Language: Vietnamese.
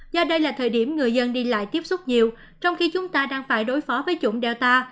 do đây là thời điểm người dân đi lại tiếp xúc nhiều trong khi chúng ta đang phải đối phó với chủng delta